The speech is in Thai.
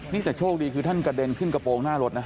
นี่แต่โชคดีคือท่านกระเด็นขึ้นกระโปรงหน้ารถนะ